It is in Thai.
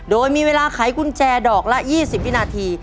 โดยมีเวลาไขกุญแจดอกละ๒๐วินาที